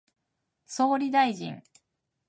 総理大臣